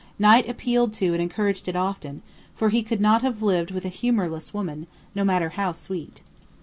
Knight appealed to and encouraged it often, for he could not have lived with a humourless woman, no matter how sweet.